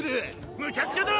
むちゃくちゃだ！